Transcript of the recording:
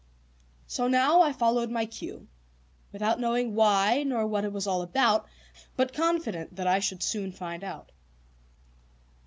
So now, I followed my cue, without knowing why, nor what it was all about, but confident that I should soon find out.